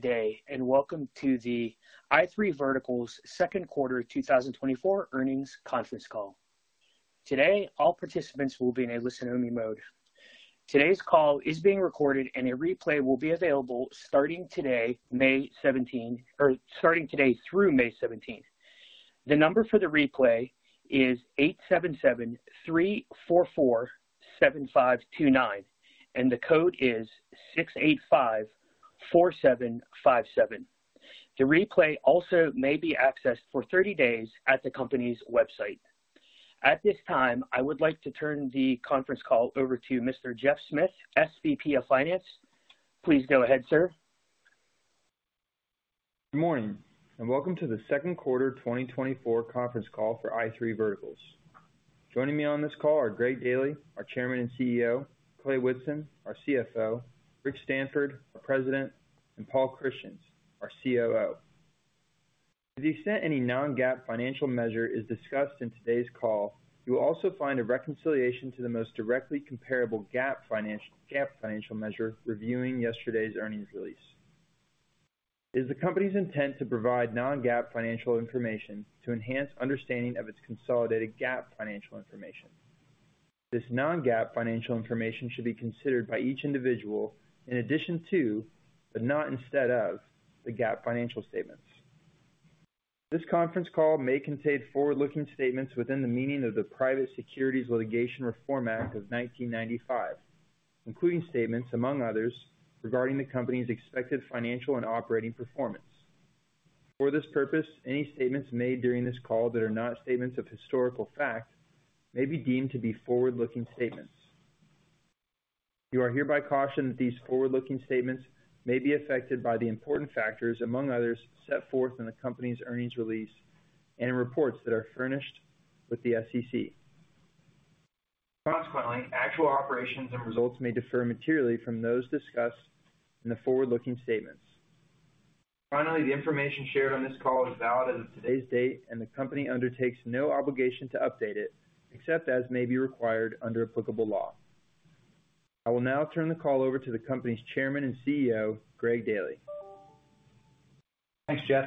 Good day and welcome to the i3 Verticals Second Quarter 2024 Earnings Conference Call. Today all participants will be in a listen-only mode. Today's call is being recorded and a replay will be available starting today, May 17, or starting today through May 17. The number for the replay is 877-344-7529, and the code is 685-4757. The replay also may be accessed for 30 days at the company's website. At this time I would like to turn the conference call over to Mr. Geoff Smith, SVP of Finance. Please go ahead, sir. Good morning and welcome to the Second Quarter 2024 conference call for i3 Verticals. Joining me on this call are Greg Daily, our Chairman and CEO, Clay Whitson, our CFO, Rick Stanford, our President, and Paul Christians, our COO. To the extent any non-GAAP financial measure is discussed in today's call, you will also find a reconciliation to the most directly comparable GAAP financial measure reviewing yesterday's earnings release. It is the company's intent to provide non-GAAP financial information to enhance understanding of its consolidated GAAP financial information. This non-GAAP financial information should be considered by each individual in addition to, but not instead of, the GAAP financial statements. This conference call may contain forward-looking statements within the meaning of the Private Securities Litigation Reform Act of 1995, including statements, among others, regarding the company's expected financial and operating performance. For this purpose, any statements made during this call that are not statements of historical fact may be deemed to be forward-looking statements. You are hereby cautioned that these forward-looking statements may be affected by the important factors, among others, set forth in the company's earnings release and in reports that are furnished with the SEC. Consequently, actual operations and results may differ materially from those discussed in the forward-looking statements. Finally, the information shared on this call is valid as of today's date and the company undertakes no obligation to update it except as may be required under applicable law. I will now turn the call over to the company's Chairman and CEO, Greg Daily. Thanks, Geoff.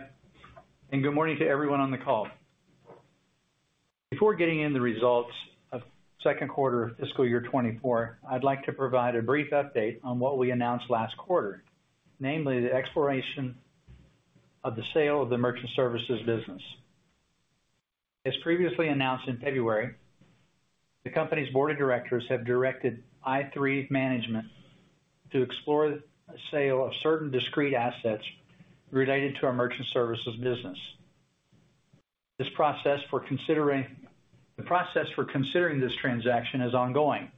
Good morning to everyone on the call. Before getting into the results of second quarter of fiscal year 2024, I'd like to provide a brief update on what we announced last quarter, namely the exploration of the sale of the Merchant Services business. As previously announced in February, the company's board of directors have directed i3 management to explore a sale of certain discrete assets related to our Merchant Services business. This process for considering this transaction is ongoing.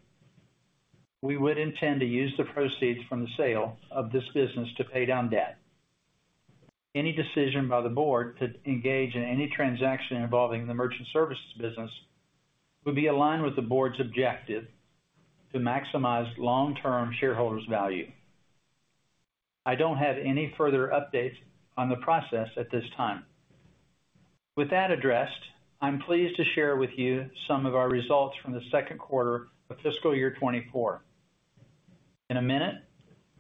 We would intend to use the proceeds from the sale of this business to pay down debt. Any decision by the board to engage in any transaction involving the Merchant Services business would be aligned with the board's objective to maximize long-term shareholders' value. I don't have any further updates on the process at this time. With that addressed, I'm pleased to share with you some of our results from the second quarter of fiscal year 2024. In a minute,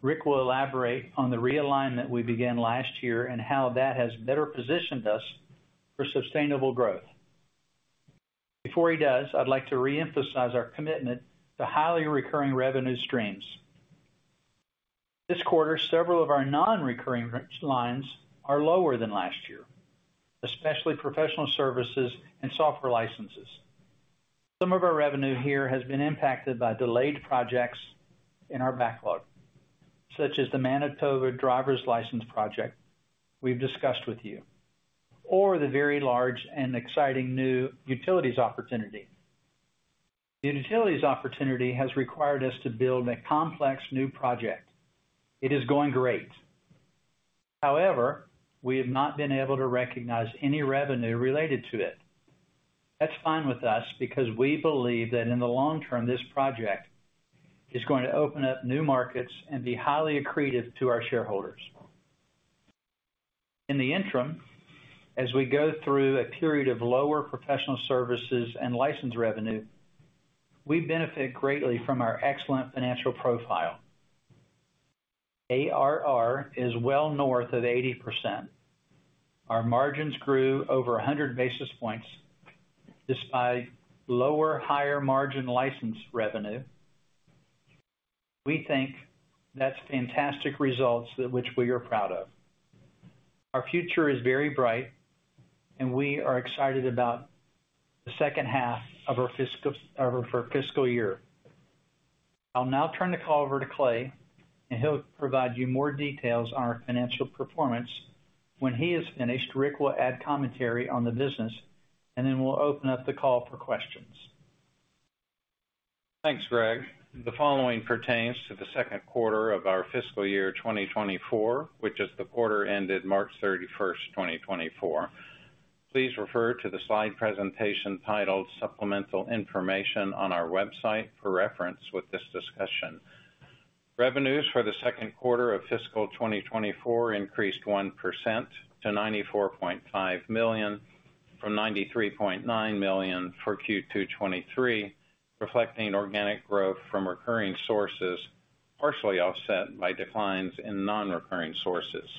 Rick will elaborate on the realignment we began last year and how that has better positioned us for sustainable growth. Before he does, I'd like to reemphasize our commitment to highly recurring revenue streams. This quarter, several of our non-recurring lines are lower than last year, especially professional services and software licenses. Some of our revenue here has been impacted by delayed projects in our backlog, such as the Manitoba driver's license project we've discussed with you, or the very large and exciting new utilities opportunity. The utilities opportunity has required us to build a complex new project. It is going great. However, we have not been able to recognize any revenue related to it. That's fine with us because we believe that in the long term this project is going to open up new markets and be highly accretive to our shareholders. In the interim, as we go through a period of lower professional services and license revenue, we benefit greatly from our excellent financial profile. ARR is well north of 80%. Our margins grew over 100 basis points despite lower higher margin license revenue. We think that's fantastic results that which we are proud of. Our future is very bright and we are excited about the second half of our fiscal of our fiscal year. I'll now turn the call over to Clay and he'll provide you more details on our financial performance. When he is finished, Rick will add commentary on the business and then we'll open up the call for questions. Thanks, Greg. The following pertains to the second quarter of our fiscal year 2024, which is the quarter ended March 31st, 2024. Please refer to the slide presentation titled Supplemental Information on our website for reference with this discussion. Revenues for the second quarter of fiscal 2024 increased 1% to $94.5 million from $93.9 million for Q2 2023, reflecting organic growth from recurring sources partially offset by declines in non-recurring sources.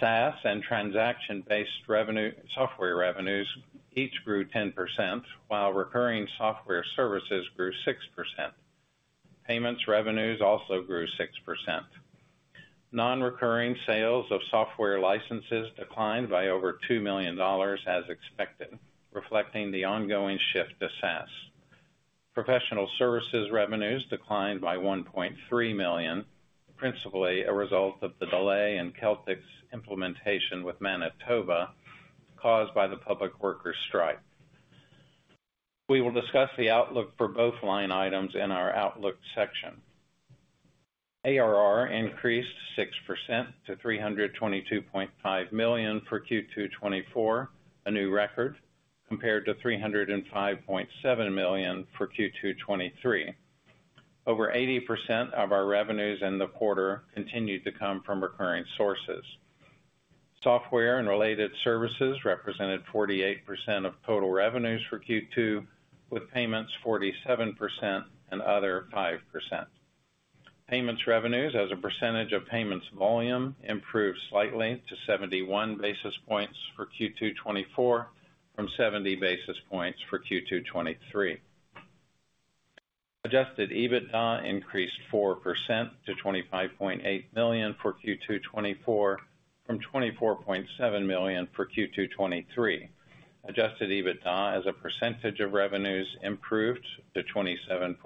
SaaS and transaction-based revenue software revenues each grew 10% while recurring software services grew 6%. Payments revenues also grew 6%. Non-recurring sales of software licenses declined by over $2 million as expected, reflecting the ongoing shift to SaaS. Professional services revenues declined by $1.3 million, principally a result of the delay in Celtic's implementation with Manitoba caused by the public workers' strike. We will discuss the outlook for both line items in our outlook section. ARR increased 6% to $322.5 million for Q2 2024, a new record, compared to $305.7 million for Q2 2023. Over 80% of our revenues in the quarter continued to come from recurring sources. Software and related services represented 48% of total revenues for Q2, with payments 47% and other 5%. Payments revenues, as a percentage of payments volume, improved slightly to 71 basis points for Q2 2024 from 70 basis points for Q2 2023. Adjusted EBITDA increased 4% to $25.8 million for Q2 2024 from $24.7 million for Q2 2023. Adjusted EBITDA, as a percentage of revenues, improved to 27.3%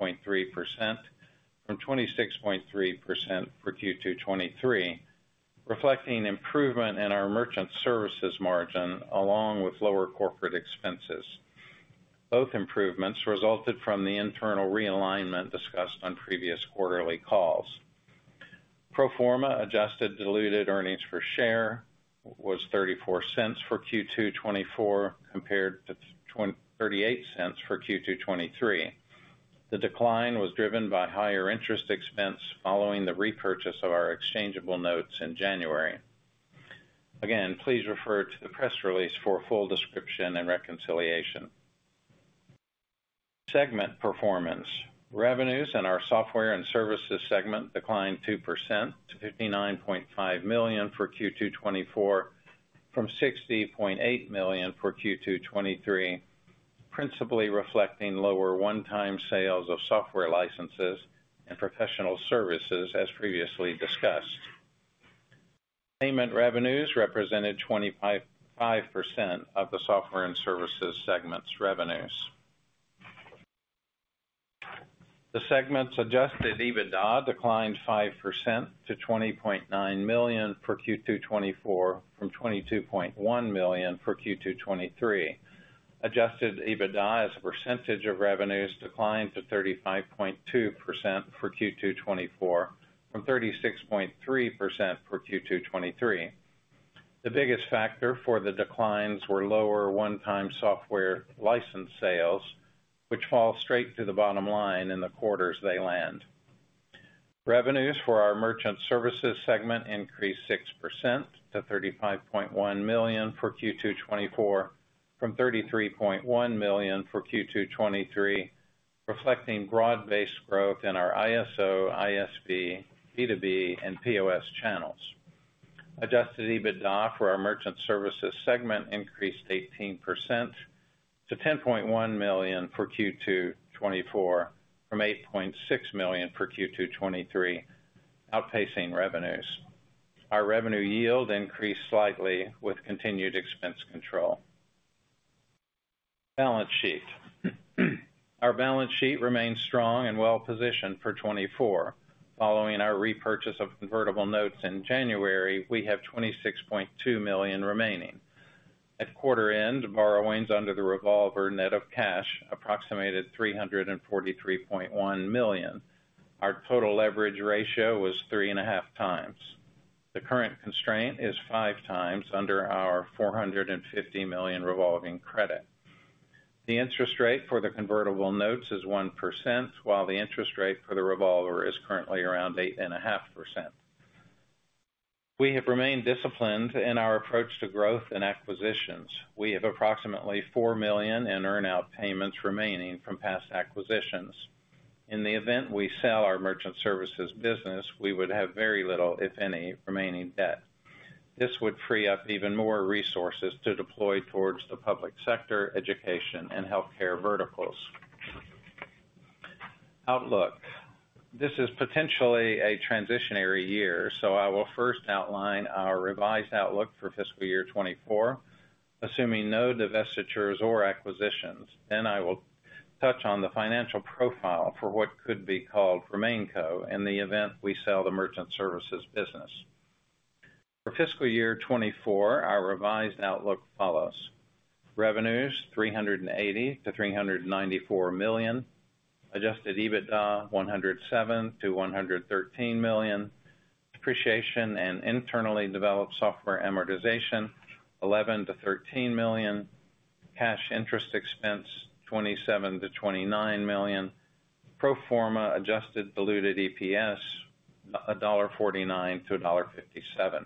from 26.3% for Q2 2023, reflecting improvement in our merchant services margin along with lower corporate expenses. Both improvements resulted from the internal realignment discussed on previous quarterly calls. Pro forma adjusted diluted earnings per share was $0.34 for Q2 2024 compared to $0.38 for Q2 2023. The decline was driven by higher interest expense following the repurchase of our exchangeable notes in January. Again, please refer to the press release for full description and reconciliation. Segment performance. Revenues in our Software and Services segment declined 2% to $59.5 million for Q2 2024 from $60.8 million for Q2 2023, principally reflecting lower one-time sales of software licenses and professional services, as previously discussed. Payment revenues represented 25% of the Software and Services segments' revenues. The segment's Adjusted EBITDA declined 5% to $20.9 million for Q2 2024 from $22.1 million for Q2 2023. Adjusted EBITDA, as a percentage of revenues, declined to 35.2% for Q2 2024 from 36.3% for Q2 2023. The biggest factor for the declines were lower one-time software license sales, which fall straight to the bottom line in the quarters they land. Revenues for our Merchant Services segment increased 6% to $35.1 million for Q2 2024 from $33.1 million for Q2 2023, reflecting broad-based growth in our ISO, ISV, B2B, and POS channels. Adjusted EBITDA for our merchant services segment increased 18% to $10.1 million for Q2 2024 from $8.6 million for Q2 2023, outpacing revenues. Our revenue yield increased slightly with continued expense control. Balance sheet. Our balance sheet remains strong and well-positioned for 2024. Following our repurchase of convertible notes in January, we have $26.2 million remaining. At quarter end, borrowings under the revolver net of cash approximated $343.1 million. Our total leverage ratio was 3.5x. The current constraint is 5x under our $450 million revolving credit. The interest rate for the convertible notes is 1% while the interest rate for the revolver is currently around 8.5%. We have remained disciplined in our approach to growth and acquisitions. We have approximately $4 million in earnout payments remaining from past acquisitions. In the event we sell our merchant services business, we would have very little, if any, remaining debt. This would free up even more resources to deploy towards the public sector, education, and healthcare verticals. Outlook. This is potentially a transitional year, so I will first outline our revised outlook for fiscal year 2024, assuming no divestitures or acquisitions. Then I will touch on the financial profile for what could be called RemainCo in the event we sell the merchant services business. For fiscal year 2024, our revised outlook follows: Revenues $380 million-$394 million, Adjusted EBITDA $107 million-$113 million, depreciation and internally developed software amortization $11 million-$13 million, cash interest expense $27 million-$29 million, Pro Forma adjusted diluted EPS $1.49-$1.57.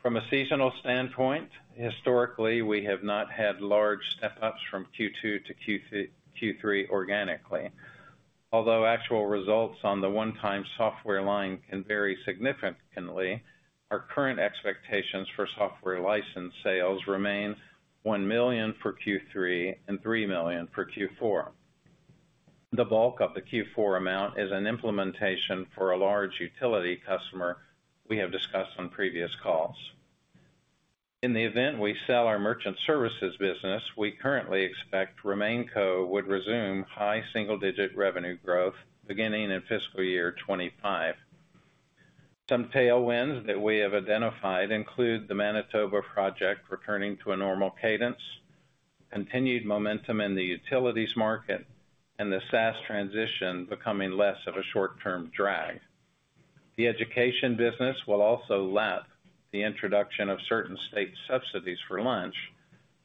From a seasonal standpoint, historically we have not had large step-ups from Q2 to Q3 organically. Although actual results on the one-time software line can vary significantly, our current expectations for software license sales remain $1 million for Q3 and $3 million for Q4. The bulk of the Q4 amount is an implementation for a large utility customer we have discussed on previous calls. In the event we sell our Merchant Services business, we currently expect RemainCo would resume high single-digit revenue growth beginning in fiscal year 2025. Some tailwinds that we have identified include the Manitoba project returning to a normal cadence, continued momentum in the utilities market, and the SaaS transition becoming less of a short-term drag. The education business will also lap the introduction of certain state subsidies for lunch,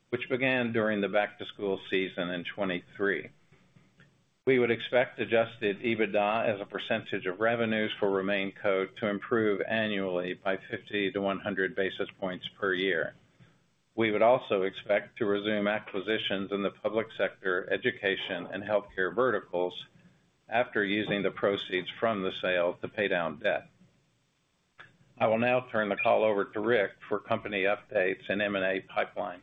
which began during the back-to-school season in 2023. We would expect Adjusted EBITDA as a percentage of revenues for RemainCo to improve annually by 50-100 basis points per year. We would also expect to resume acquisitions in the public sector, education, and healthcare verticals after using the proceeds from the sale to pay down debt. I will now turn the call over to Rick for company updates and M&A pipeline.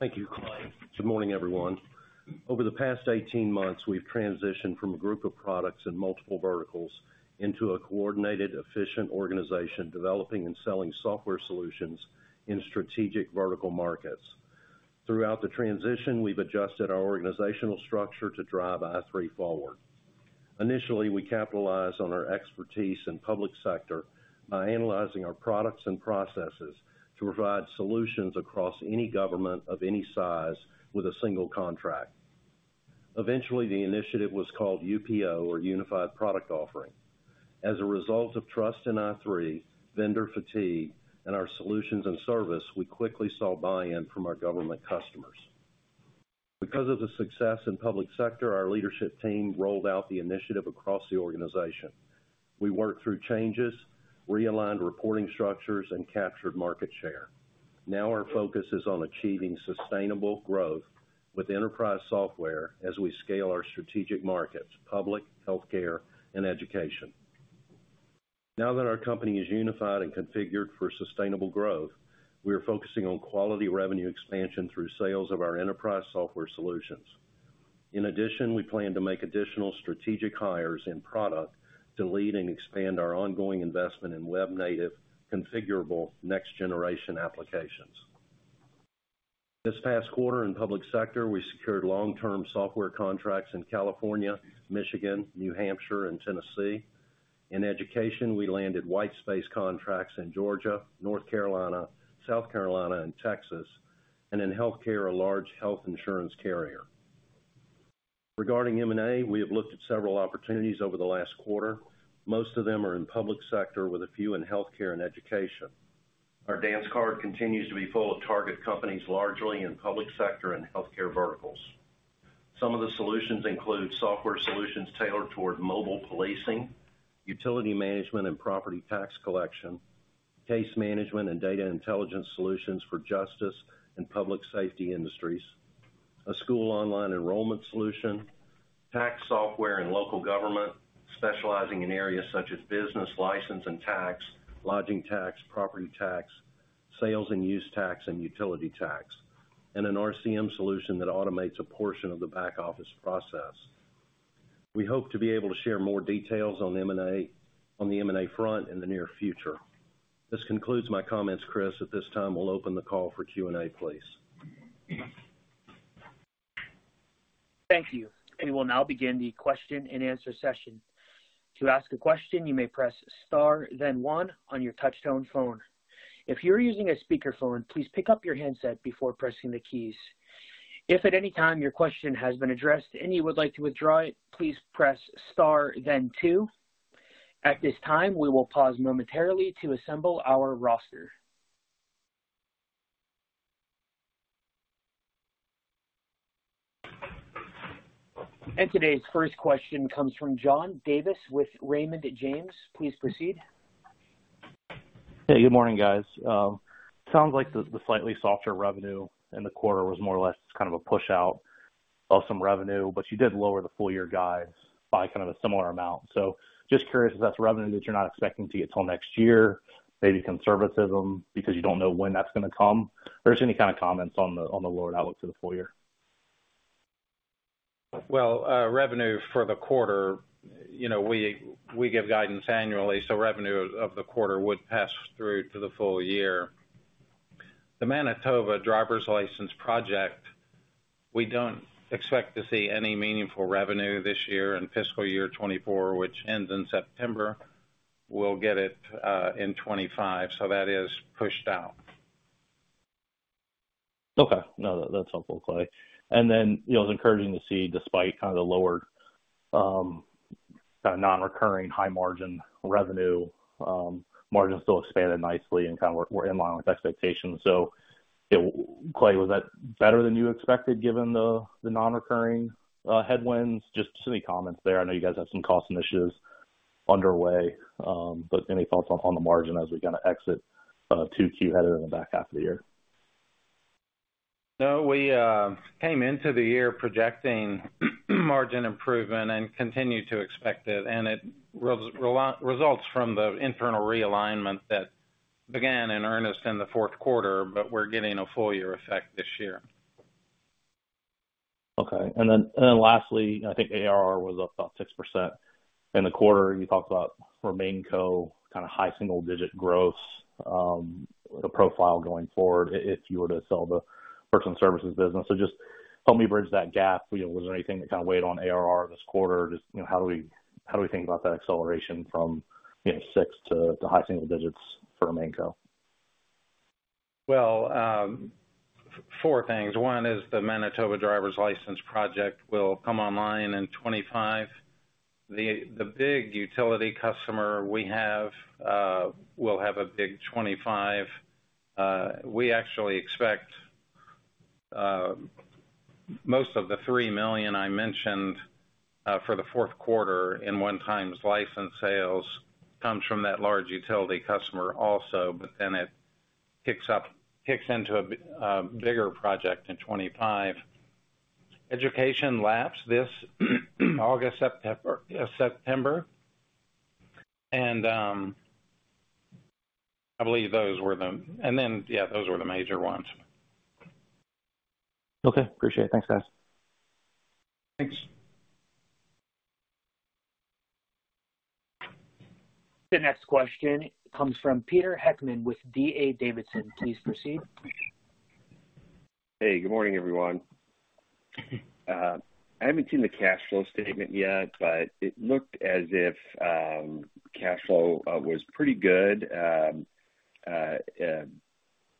Thank you, Clay. Good morning, everyone. Over the past 18 months, we've transitioned from a group of products and multiple verticals into a coordinated, efficient organization developing and selling software solutions in strategic vertical markets. Throughout the transition, we've adjusted our organizational structure to drive i3 forward. Initially, we capitalized on our expertise in public sector by analyzing our products and processes to provide solutions across any government of any size with a single contract. Eventually, the initiative was called UPO or Unified Product Offering. As a result of trust in i3, vendor fatigue, and our solutions and service, we quickly saw buy-in from our government customers. Because of the success in public sector, our leadership team rolled out the initiative across the organization. We worked through changes, realigned reporting structures, and captured market share. Now our focus is on achieving sustainable growth with enterprise software as we scale our strategic markets, public, healthcare, and education. Now that our company is unified and configured for sustainable growth, we are focusing on quality revenue expansion through sales of our enterprise software solutions. In addition, we plan to make additional strategic hires in product to lead and expand our ongoing investment in web-native configurable next-generation applications. This past quarter in public sector, we secured long-term software contracts in California, Michigan, New Hampshire, and Tennessee. In education, we landed white space contracts in Georgia, North Carolina, South Carolina, and Texas, and in healthcare, a large health insurance carrier. Regarding M&A, we have looked at several opportunities over the last quarter. Most of them are in public sector with a few in healthcare and education. Our dance card continues to be full of target companies largely in public sector and healthcare verticals. Some of the solutions include software solutions tailored toward mobile policing, utility management and property tax collection, case management and data intelligence solutions for justice and public safety industries, a school online enrollment solution, tax software and local government specializing in areas such as business license and tax, lodging tax, property tax, sales and use tax, and utility tax, and an RCM solution that automates a portion of the back office process. We hope to be able to share more details on the M&A front in the near future. This concludes my comments, Chris. At this time, we'll open the call for Q&A, please. Thank you. We will now begin the question and answer session. To ask a question, you may press star, then one on your touch-tone phone. If you're using a speakerphone, please pick up your handset before pressing the keys. If at any time your question has been addressed and you would like to withdraw it, please press star, then two. At this time, we will pause momentarily to assemble our roster. Today's first question comes from John Davis with Raymond James. Please proceed. Hey, good morning, guys. Sounds like the slightly softer revenue in the quarter was more or less kind of a push out of some revenue, but you did lower the full year guides by kind of a similar amount. Just curious, is that revenue that you're not expecting to get till next year, maybe conservatism because you don't know when that's going to come, or is there any kind of comments on the lowered outlook to the full year? Well, revenue for the quarter, we give guidance annually, so revenue of the quarter would pass through to the full year. The Manitoba driver's license project, we don't expect to see any meaningful revenue this year. In fiscal year 2024, which ends in September, we'll get it in 2025, so that is pushed out. Okay. No, that's helpful, Clay. And then it was encouraging to see, despite kind of the lowered non-recurring high margin revenue, margins still expanded nicely and kind of were in line with expectations. So, Clay, was that better than you expected given the non-recurring headwinds? Just any comments there? I know you guys have some cost initiatives underway, but any thoughts on the margin as we kind of exit 2Q headed in the back half of the year? No, we came into the year projecting margin improvement and continue to expect it, and it results from the internal realignment that began in earnest in the fourth quarter, but we're getting a full year effect this year. Okay. And then lastly, I think ARR was up about 6% in the quarter. You talked about RemainCo kind of high single-digit growth profile going forward if you were to sell the Merchant Services business. So just help me bridge that gap. Was there anything that kind of weighed on ARR this quarter? Just how do we think about that acceleration from 6% to high single digits for RemainCo? Well, four things. One is the Manitoba driver's license project will come online in 2025. The big utility customer we have will have a big 2025. We actually expect most of the $3 million I mentioned for the fourth quarter in one-time license sales comes from that large utility customer also, but then it kicks into a bigger project in 2025. Education laps this August, September, and I believe those were the and then, yeah, those were the major ones. Okay. Appreciate it. Thanks, guys. Thanks. The next question comes from Peter Heckmann with D.A. Davidson. Please proceed. Hey, good morning, everyone. I haven't seen the cash flow statement yet, but it looked as if cash flow was pretty good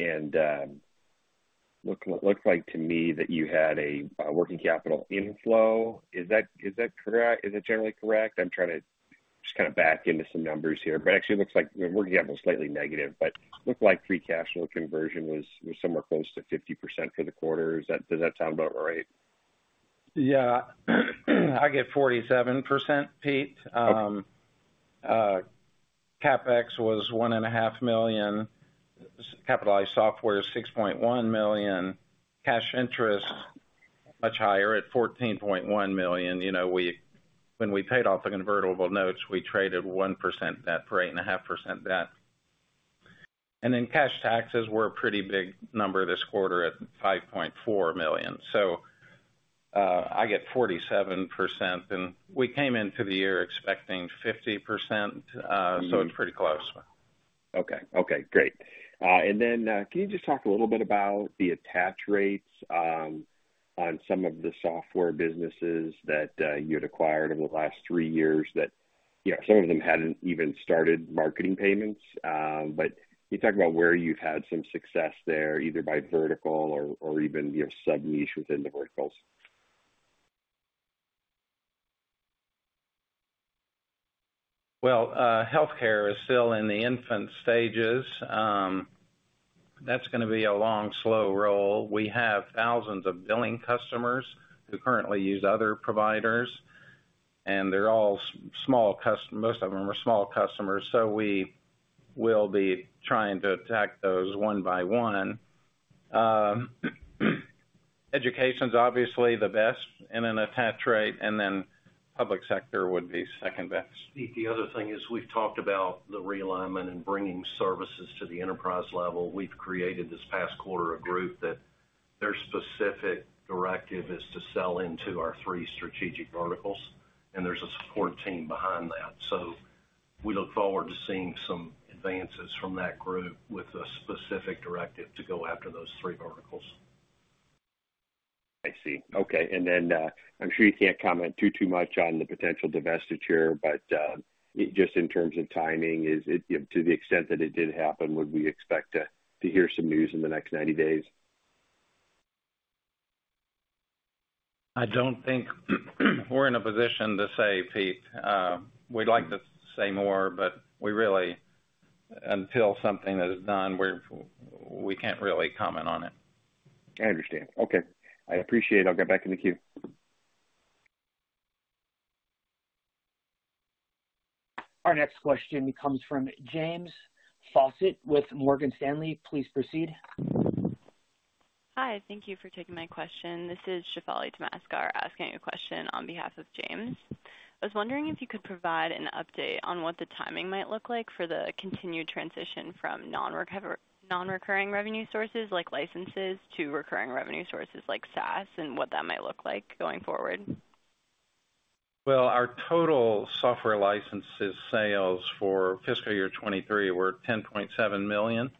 and looked like to me that you had a working capital inflow. Is that generally correct? I'm trying to just kind of back into some numbers here, but actually, it looks like working capital was slightly negative, but it looked like free cash flow conversion was somewhere close to 50% for the quarter. Does that sound about right? Yeah. I get 47%, Pete. CapEx was $1.5 million. Capitalized software is $6.1 million. Cash interest, much higher at $14.1 million. When we paid off the convertible notes, we traded 1% debt for 8.5% debt. And then cash taxes were a pretty big number this quarter at $5.4 million. So I get 47%, and we came into the year expecting 50%, so it's pretty close. Okay. Okay. Great. And then can you just talk a little bit about the attach rates on some of the software businesses that you had acquired over the last three years that some of them hadn't even started marketing payments? But can you talk about where you've had some success there, either by vertical or even sub-niche within the verticals? Well, healthcare is still in the infant stages. That's going to be a long, slow roll. We have thousands of billing customers who currently use other providers, and they're all small. Most of them are small customers, so we will be trying to attack those one by one. Education's obviously the best in an attach rate, and then public sector would be second best. Pete, the other thing is we've talked about the realignment and bringing services to the enterprise level. We've created this past quarter a group that their specific directive is to sell into our three strategic verticals, and there's a support team behind that. So we look forward to seeing some advances from that group with a specific directive to go after those three verticals. I see. Okay. And then I'm sure you can't comment too, too much on the potential divestiture, but just in terms of timing, to the extent that it did happen, would we expect to hear some news in the next 90 days? I don't think we're in a position to say, Pete. We'd like to say more, but until something is done, we can't really comment on it. I understand. Okay. I appreciate it. I'll get back in the queue. Our next question comes from James Faucette with Morgan Stanley. Please proceed. Hi. Thank you for taking my question. This is Shefali Tamaskar asking a question on behalf of James. I was wondering if you could provide an update on what the timing might look like for the continued transition from non-recurring revenue sources like licenses to recurring revenue sources like SaaS and what that might look like going forward. Well, our total software licenses sales for fiscal year 2023 were $10.7 million,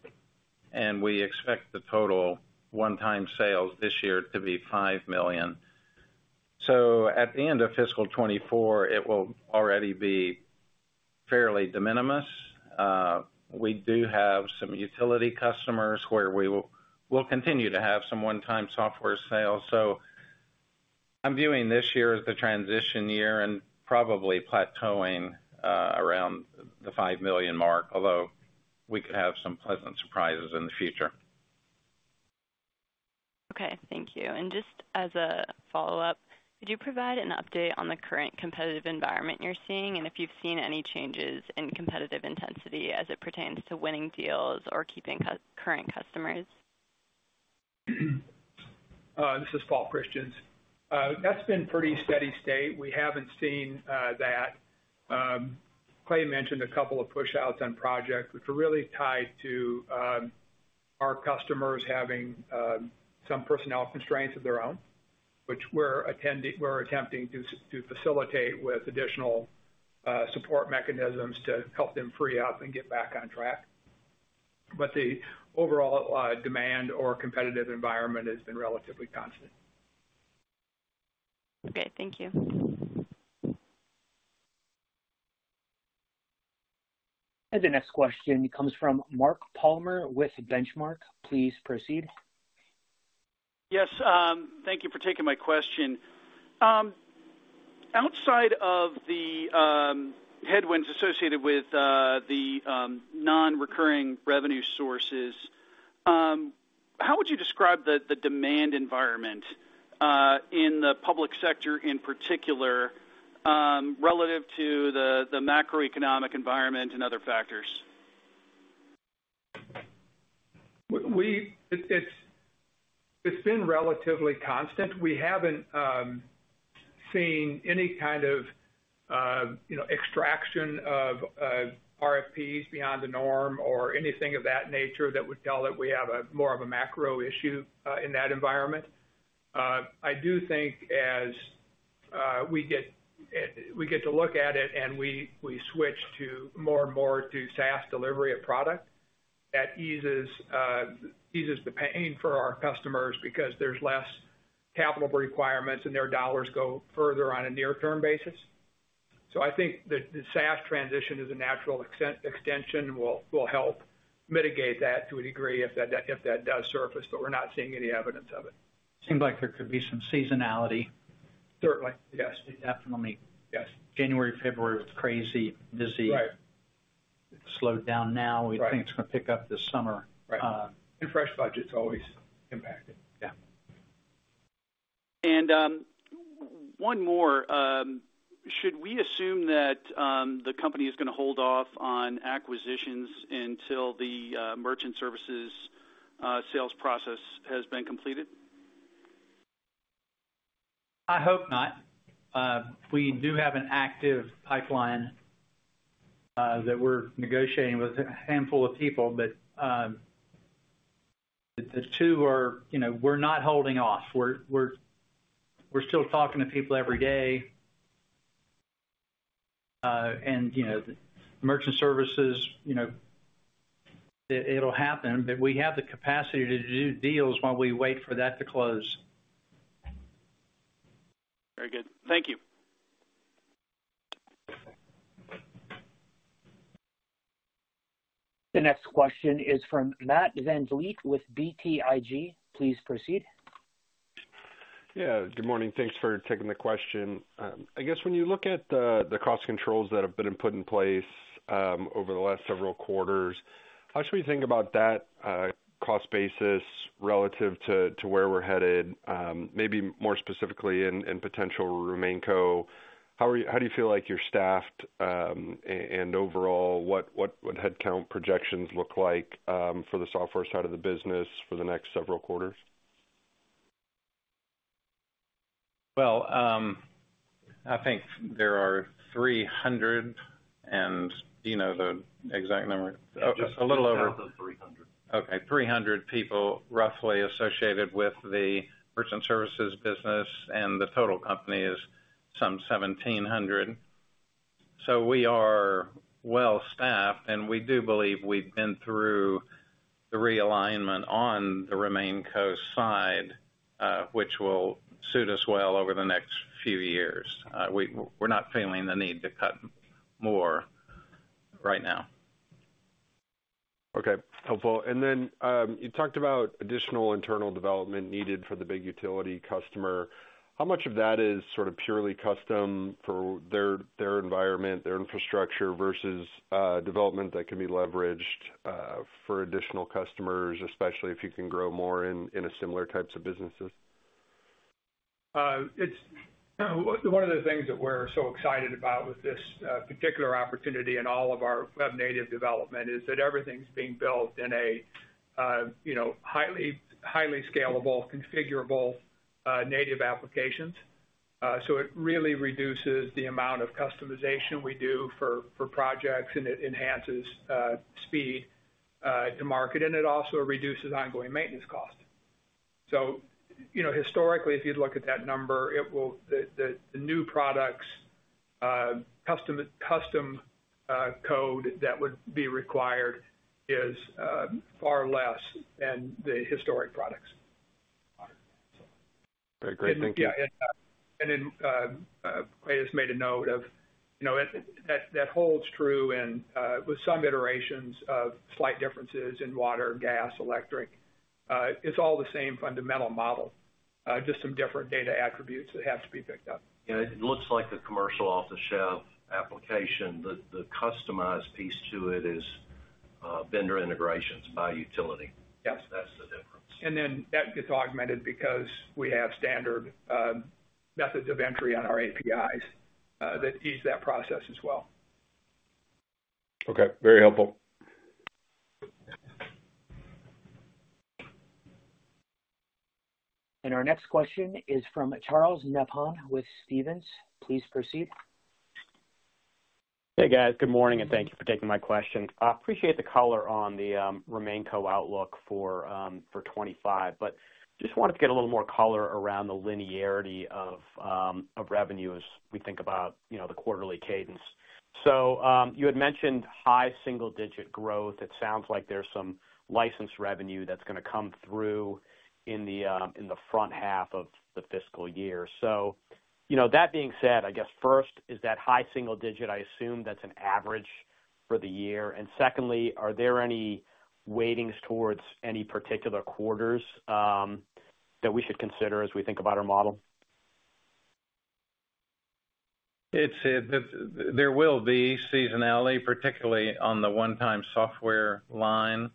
and we expect the total one-time sales this year to be $5 million. So at the end of fiscal 2024, it will already be fairly de minimis. We do have some utility customers where we'll continue to have some one-time software sales. So I'm viewing this year as the transition year and probably plateauing around the $5 million mark, although we could have some pleasant surprises in the future. Okay. Thank you. Just as a follow-up, could you provide an update on the current competitive environment you're seeing and if you've seen any changes in competitive intensity as it pertains to winning deals or keeping current customers? This is Paul Christians. That's been pretty steady state. We haven't seen that. Clay mentioned a couple of push outs on projects, which are really tied to our customers having some personnel constraints of their own, which we're attempting to facilitate with additional support mechanisms to help them free up and get back on track. But the overall demand or competitive environment has been relatively constant. Okay. Thank you. The next question comes from Mark Palmer with Benchmark. Please proceed. Yes. Thank you for taking my question. Outside of the headwinds associated with the non-recurring revenue sources, how would you describe the demand environment in the public sector in particular relative to the macroeconomic environment and other factors? It's been relatively constant. We haven't seen any kind of extraction of RFPs beyond the norm or anything of that nature that would tell that we have more of a macro issue in that environment. I do think as we get to look at it and we switch more and more to SaaS delivery of product, that eases the pain for our customers because there's less capital requirements and their dollars go further on a near-term basis. So I think the SaaS transition as a natural extension will help mitigate that to a degree if that does surface, but we're not seeing any evidence of it. Seemed like there could be some seasonality. Certainly. Yes. Definitely. Yes January, February was crazy busy. Right. It's slowed down now. We think it's going to pick up this summer. Right. And fresh budgets always impacted. Yeah. And one more. Should we assume that the company is going to hold off on acquisitions until the merchant services sales process has been completed? I hope not. We do have an active pipeline that we're negotiating with a handful of people, but the two, we're not holding off. We're still talking to people every day. Merchant Services, it'll happen, but we have the capacity to do deals while we wait for that to close. Very good. Thank you. The next question is from Matt VanVliet with BTIG. Please proceed. Yeah. Good morning. Thanks for taking the question. I guess when you look at the cost controls that have been put in place over the last several quarters, how should we think about that cost basis relative to where we're headed? Maybe more specifically in potential RemainCo, how do you feel like you're staffed and overall, what would headcount projections look like for the software side of the business for the next several quarters? Well, I think there are 300 and the exact number is a little over. Just above 300. Okay. 300 people roughly associated with the merchant services business, and the total company is some 1,700. So we are well staffed, and we do believe we've been through the realignment on the RemainCo side, which will suit us well over the next few years. We're not feeling the need to cut more right now. Okay. Helpful. And then you talked about additional internal development needed for the big utility customer. How much of that is sort of purely custom for their environment, their infrastructure versus development that can be leveraged for additional customers, especially if you can grow more in similar types of businesses? One of the things that we're so excited about with this particular opportunity and all of our web-native development is that everything's being built in highly scalable, configurable native applications. So it really reduces the amount of customization we do for projects, and it enhances speed to market, and it also reduces ongoing maintenance costs. So historically, if you'd look at that number, the new products, custom code that would be required is far less than the historic products. Very great. Thank you. And Clay has made a note of that. [It] holds true with some iterations of slight differences in water, gas, electric. It's all the same fundamental model, just some different data attributes that have to be picked up. Yeah. It looks like the commercial off-the-shelf application, the customized piece to it is vendor integrations by utility. That's the difference. And then that gets augmented because we have standard methods of entry on our APIs that ease that process as well. Okay. Very helpful. Our next question is from Charles Nabhan with Stephens. Please proceed. Hey, guys. Good morning, and thank you for taking my question. I appreciate the color on the RemainCo outlook for 2025, but just wanted to get a little more color around the linearity of revenue as we think about the quarterly cadence. So you had mentioned high single-digit growth. It sounds like there's some license revenue that's going to come through in the front half of the fiscal year. So that being said, I guess first, is that high single-digit? I assume that's an average for the year. And secondly, are there any weightings towards any particular quarters that we should consider as we think about our model? There will be seasonality, particularly on the one-time software line.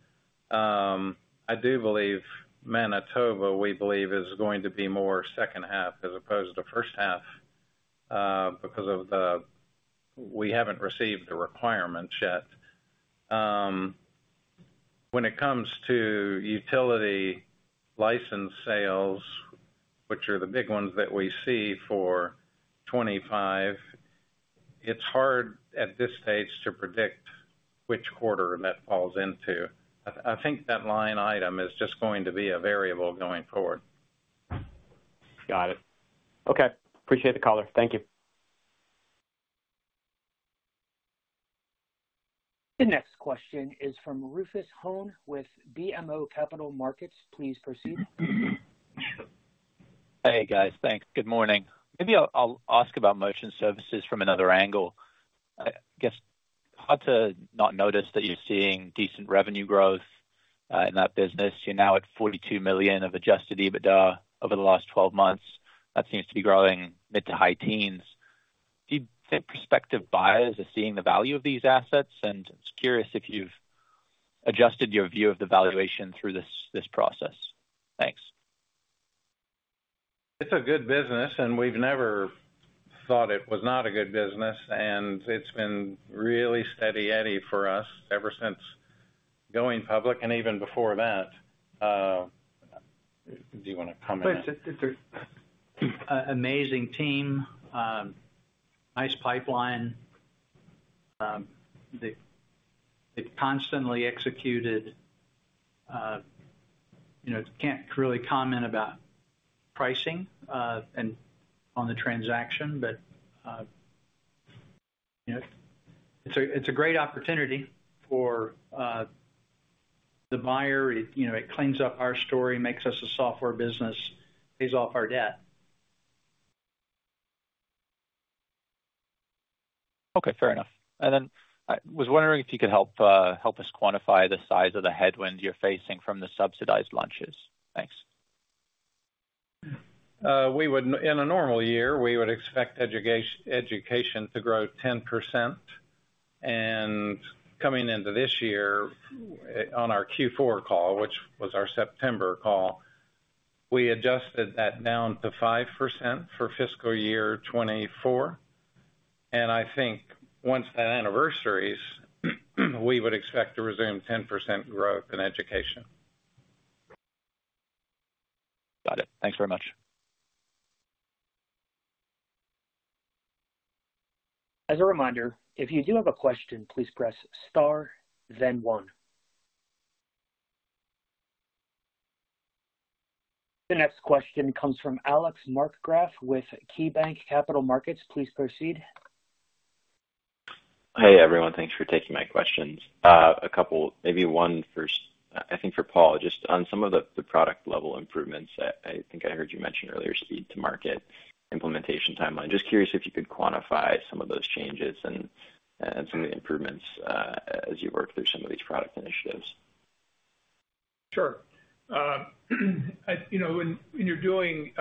I do believe Manitoba, we believe, is going to be more second half as opposed to first half because we haven't received the requirements yet. When it comes to utility license sales, which are the big ones that we see for 2025, it's hard at this stage to predict which quarter that falls into. I think that line item is just going to be a variable going forward. Got it. Okay. Appreciate the color. Thank you. The next question is from Rufus Hone with BMO Capital Markets. Please proceed. Hey, guys. Thanks. Good morning. Maybe I'll ask about merchant services from another angle. I guess, hard to not notice that you're seeing decent revenue growth in that business. You're now at $42 million of Adjusted EBITDA over the last 12 months. That seems to be growing mid-to-high teens. Do you think prospective buyers are seeing the value of these assets? And I'm curious if you've adjusted your view of the valuation through this process. Thanks. It's a good business, and we've never thought it was not a good business. It's been really steady-eddy for us ever since going public and even before that. Do you want to comment? But it's an amazing team, nice pipeline. They've constantly executed. I can't really comment about pricing on the transaction, but it's a great opportunity for the buyer. It cleans up our story, makes us a software business, pays off our debt. Okay. Fair enough. Then I was wondering if you could help us quantify the size of the headwind you're facing from the subsidized launches. Thanks. In a normal year, we would expect education to grow 10%. Coming into this year, on our Q4 call, which was our September call, we adjusted that down to 5% for fiscal year 2024. I think once that anniversary's, we would expect to resume 10% growth in education. Got it. Thanks very much. As a reminder, if you do have a question, please press star, then one. The next question comes from Alex Markgraff with KeyBanc Capital Markets. Please proceed. Hey, everyone. Thanks for taking my questions. Maybe one first. I think for Paul, just on some of the product-level improvements, I think I heard you mention earlier speed-to-market implementation timeline. Just curious if you could quantify some of those changes and some of the improvements as you work through some of these product initiatives? Sure. When you're doing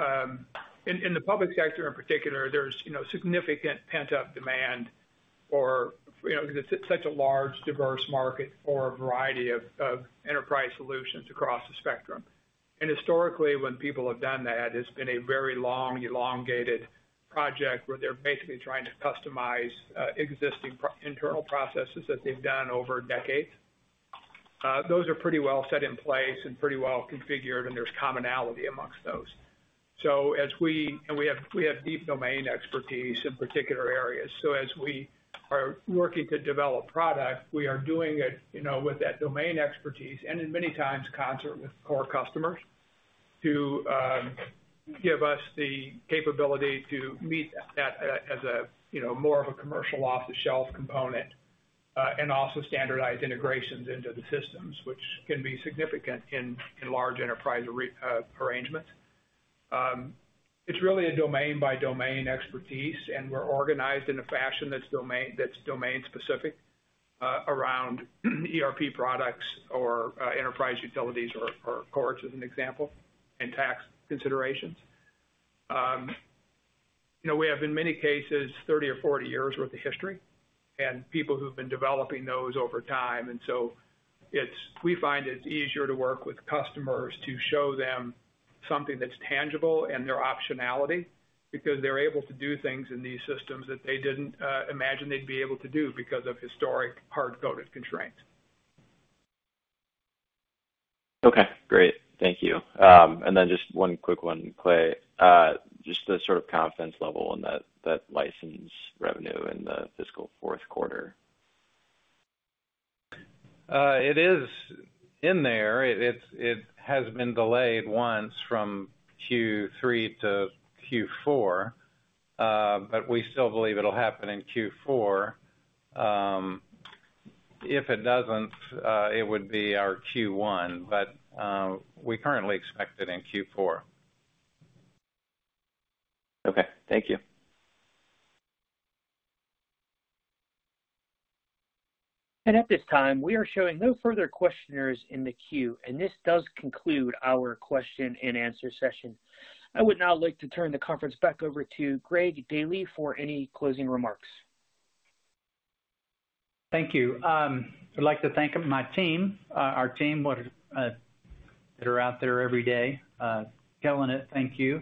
in the public sector in particular, there's significant pent-up demand because it's such a large, diverse market for a variety of enterprise solutions across the spectrum. Historically, when people have done that, it's been a very long, elongated project where they're basically trying to customize existing internal processes that they've done over decades. Those are pretty well set in place and pretty well configured, and there's commonality amongst those. We have deep domain expertise in particular areas. As we are working to develop product, we are doing it with that domain expertise and many times concert with core customers to give us the capability to meet that as more of a commercial off-the-shelf component and also standardized integrations into the systems, which can be significant in large enterprise arrangements. It's really a domain-by-domain expertise, and we're organized in a fashion that's domain-specific around ERP products or enterprise utilities or courts, as an example, and tax considerations. We have, in many cases, 30 or 40 years' worth of history and people who've been developing those over time. And so we find it's easier to work with customers to show them something that's tangible and their optionality because they're able to do things in these systems that they didn't imagine they'd be able to do because of historic hard-coded constraints. Okay. Great. Thank you. And then just one quick one, Clay, just the sort of confidence level on that license revenue in the fiscal fourth quarter? It is in there. It has been delayed once from Q3 to Q4, but we still believe it'll happen in Q4. If it doesn't, it would be our Q1, but we currently expect it in Q4. Okay. Thank you. At this time, we are showing no further questionnaires in the queue, and this does conclude our question-and-answer session. I would now like to turn the conference back over to Greg Daily for any closing remarks. Thank you. I'd like to thank my team, our team that are out there every day, Killing it, thank you,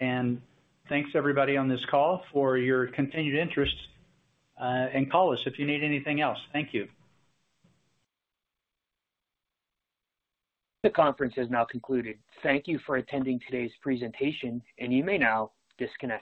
and thanks, everybody, on this call for your continued interest. Call us if you need anything else. Thank you. The conference has now concluded. Thank you for attending today's presentation, and you may now disconnect.